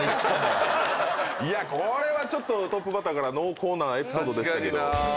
これはちょっとトップバッターから濃厚なエピソードでしたけど。